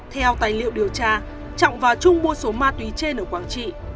theo tài liệu điều tra trọng và trung mua số ma túy trên ở quảng trị